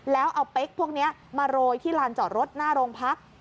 แล้วเอาเป๊กพวกนี้มาโรยที่ลานจอดรถหน้าโรงพัก